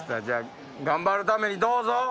じゃあ頑張るためにどうぞ。